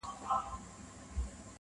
بیا مي ګوم ظالم ارمان په کاڼو ولي,